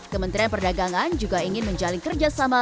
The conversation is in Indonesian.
kementerian perdagangan juga ingin menjalin kerjasama